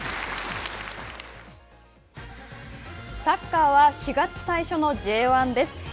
サッカーは４月最初のＪ１です。